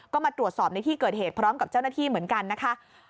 ก็มาตรวจสอบในที่เกิดเหตุพร้อมกับเจ้าหน้าที่เหมือนกันนะคะ